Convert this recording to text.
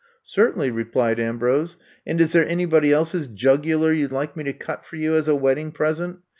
Certainly, '^ replied Ambrose. And is there anybody's else jugular you 'd like me to cut for you, as a wedding present?